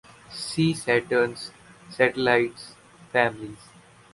See Saturn's satellites' families.